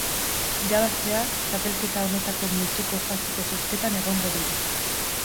Irabazleak txapelketa honetako multzoko faseko zozketan egongo dira.